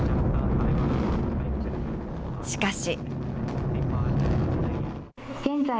しかし。